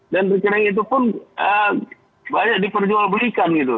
dan rekening itu pun banyak diperjualbelikan gitu